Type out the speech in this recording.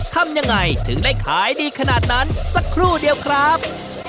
ทำยังไงถึงได้ขายดีขนาดนั้นสักครู่เดียวครับ